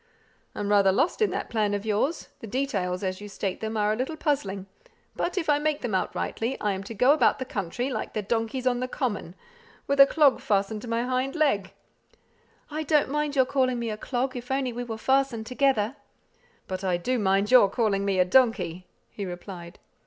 "I'm rather lost in that plan of yours; the details, as you state them, are a little puzzling; but if I make them out rightly, I am to go about the country, like the donkeys on the common, with a clog fastened to my hind leg." "I don't mind your calling me a clog, if only we were fastened together." "But I do mind you calling me a donkey," he replied.